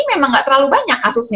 memang nggak terlalu banyak kasusnya